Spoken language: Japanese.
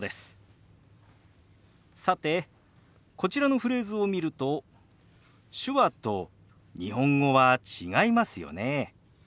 さてこちらのフレーズを見ると手話と日本語は違いますよね。